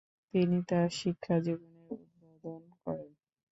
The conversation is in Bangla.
তিনি তাঁর শিক্ষা জীবনের উদ্বোধন করেন।